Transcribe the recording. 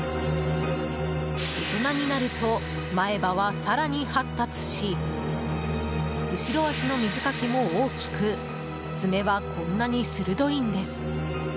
大人になると、前歯は更に発達し後ろ脚の水かきも大きく爪はこんなに鋭いんです。